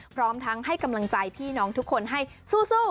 พร้อมทั้งให้กำลังใจพี่น้องทุกคนให้สู้